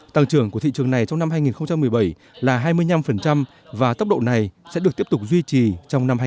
tăng trưởng của thị trường này trong năm hai nghìn một mươi bảy là hai mươi năm và tốc độ này sẽ được tiếp tục duy trì trong năm hai nghìn một mươi